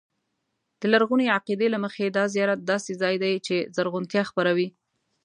د لرغوني عقیدې له مخې دا زیارت داسې ځای دی چې زرغونتیا خپروي.